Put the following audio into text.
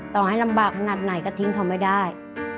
ต่อให้ลำบากขนาดไหนก็ทิ้งเขาไม่ได้